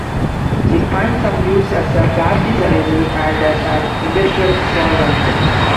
It finds some use as a plasticizer and as an industrial solvent.